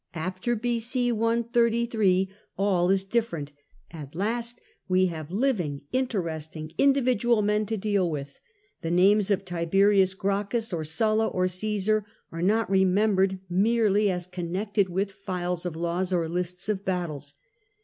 After B.c. 133 all is different; at last we have living, interesting, individual men to deal with; the names of Tiberius Gracchus, or Sulla, or Cmsar are not remembered merely as connected with files of laws or lists of battles.